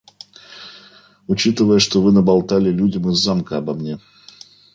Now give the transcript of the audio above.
Учитывая, что вы наболтали людям из Замка обо мне.